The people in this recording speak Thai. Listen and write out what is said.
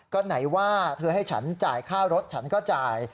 ก็ไหนว่าเธอให้ฉันจ่ายค่ารถฉันก็จ่าย